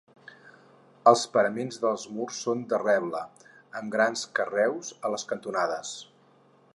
Els paraments dels murs són de reble, amb grans carreus a les cantonades.